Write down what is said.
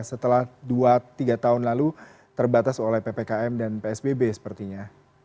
setelah dua tiga tahun lalu terbatas oleh ppkm dan psbb sepertinya